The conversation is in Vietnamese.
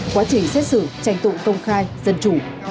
quá trình xét xử tranh tụ công khai dân chủ